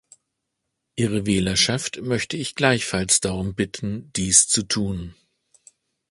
Ihre Wählerschaft möchte ich gleichfalls darum bitten, dies zu tun.